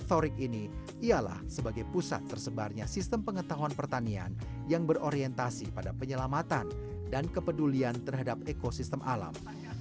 favorit ini ialah sebagai pusat tersebarnya sistem pengetahuan pertanian yang berorientasi pada penyelamatan dan kepedulian terhadap ekosistem alam